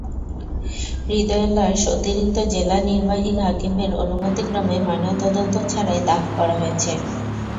হৃদয়ের লাশ অতিরিক্ত জেলা নির্বাহী হাকিমের অনুমতিক্রমে ময়নাতদন্ত ছাড়াই দাহ করা হয়েছে।